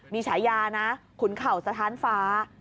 มีฉายานะขุนเข่าสถานฟ้า